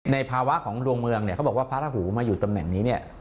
ในภาวะของดวงเมืองเขาบอกว่าพระหูมาอยู่ตำแหน่งนี้